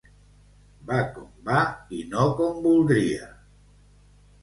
Va com va i no com voldria.